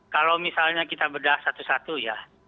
kalau misalnya kita bedah satu satu ya